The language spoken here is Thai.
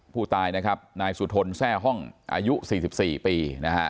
ผู้ตายนะครับนายสุทนแทร่ห้องอายุ๔๔ปีนะฮะ